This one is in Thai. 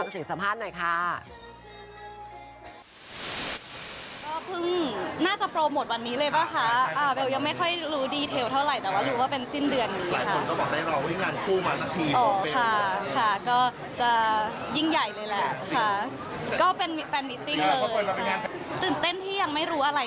ยังไม่ได้ซ้อมยังไม่ได้อะไรเลยค่ะ